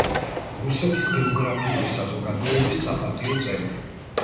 რუსეთის გეოგრაფიული საზოგადოების საპატიო წევრი.